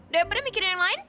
daripada mikirin yang lain